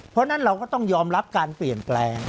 เพราะฉะนั้นเราก็ต้องยอมรับการเปลี่ยนแปลง